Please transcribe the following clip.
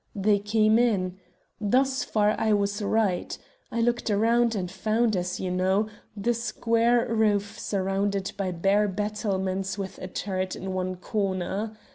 They came in. Thus far I was right. I looked around, and found, as you know, the square roof surrounded by bare battlements with a turret in one corner.